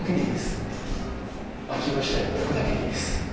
脇の下に置くだけでいいです。